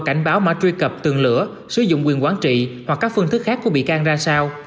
cảnh báo mà truy cập tường lửa sử dụng quyền quán trị hoặc các phương thức khác của bị can ra sao